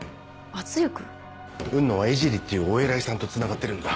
雲野は江尻っていうお偉いさんとつながってるんだ。